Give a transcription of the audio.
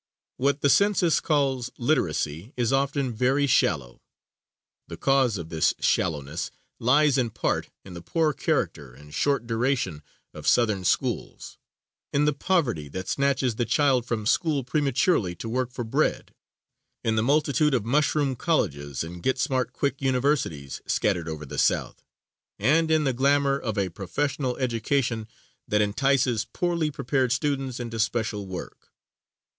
What the census calls literacy is often very shallow. The cause of this shallowness lies, in part, in the poor character and short duration of Southern schools; in the poverty that snatches the child from school prematurely to work for bread; in the multitude of mushroom colleges and get smart quick universities scattered over the South, and in the glamour of a professional education that entices poorly prepared students into special work.